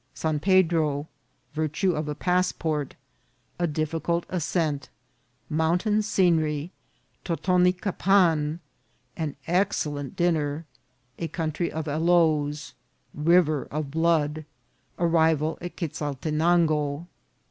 — San Pedro.— Virtue of a Passport. — A difficult Ascent. — Mountain Scenery. — Totonicapan. — An excellent Dinner. — A Country of Aloes. —" River of Blood." — Arrival at Quezaltenango.